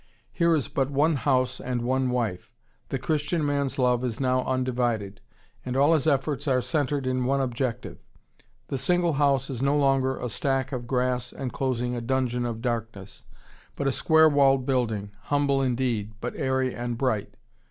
Here is but one house and one wife. The Christian man's love is now undivided, and all his efforts are centred in one objective. The single house is no longer a stack of grass enclosing a dungeon of darkness, but a square walled building, humble indeed, but airy and bright.